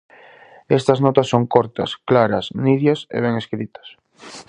Estas notas son cortas, claras, nidias e ben escritas.